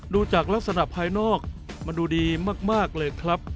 ดูจากลักษณะภายนอกมันดูดีมากเลยครับ